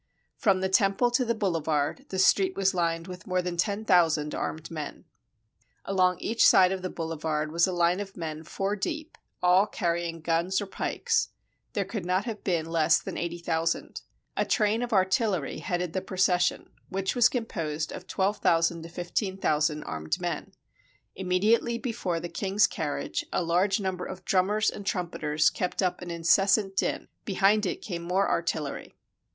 From the Temple to the boulevard, the street was lined with more than 10,000 armed men. Along each side of the boulevard was a line of men four deep, all carrying guns or pikes; there could not have been less than 80,000. A train of artillery headed the procession, which was composed of 12,000 to 15,000 armed men. Immediately before the king's carriage, a large number of drummers and trumpeters kept up an incessant din ; behind it came more artillery.